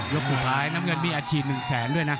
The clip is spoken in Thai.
สุดท้ายน้ำเงินมีอาชีพ๑แสนด้วยนะ